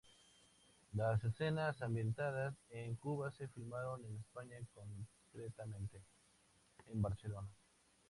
Las escenas ambientadas en Cuba se filmaron en España, concretamente en Barcelona.